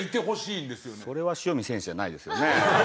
それは塩見選手じゃないですよね。